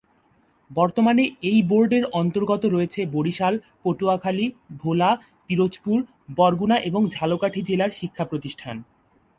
বর্তমানে এই বোর্ড-এর অন্তর্গত রয়েছে বরিশাল, পটুয়াখালী, ভোলা, পিরোজপুর, বরগুনা এবং ঝালকাঠি জেলার শিক্ষাপ্রতিষ্ঠান।